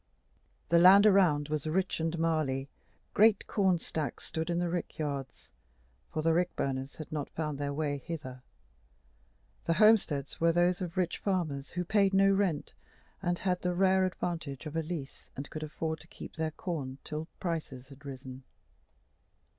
The land around was rich and marly, great corn stacks stood in the rick yards for the rick burners had not found their way hither; the homesteads were those of rich farmers who paid no rent, or had the rare advantage of a lease, and could afford to keep the corn till prices had risen.